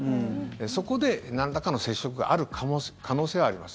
そこでなんらかの接触がある可能性はあります。